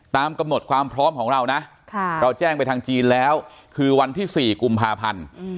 ตามกำหนดความพร้อมของเรานะเราแจ้งไปทางจีนแล้วคือวันที่๔กุมภาพันธ์